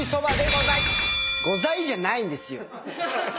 「ござい」じゃないんですよ。